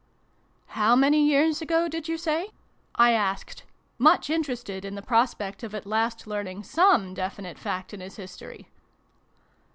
"How many years ago did you say?" I asked, much interested in the prospect of at last learning some definite fact in his history.